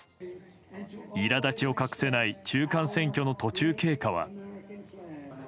苛立ちを隠せない中間選挙の途中経過は。